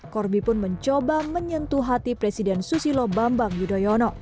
corby pun mencoba menyentuh hati presiden susilo bambang yudhoyono